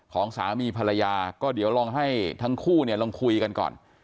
สามีภรรยาก็เดี๋ยวลองให้ทั้งคู่เนี่ยลองคุยกันก่อน